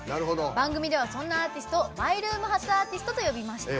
番組では、そんなアーティストを「ＭＹＲＯＯＭ発アーティスト」と呼びました。